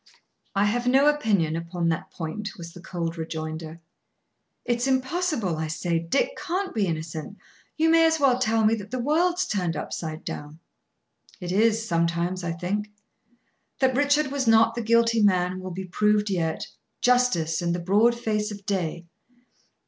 "I have no opinion upon that point," was the cold rejoinder. "It's impossible, I say. Dick can't be innocent. You may as well tell me that the world's turned upside down." "It is, sometimes, I think. That Richard was not the guilty man will be proved yet, justice, in the broad face of day."